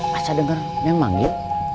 masa denger yang manggil